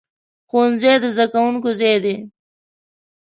ښوونځی د زده کوونکو ځای دی.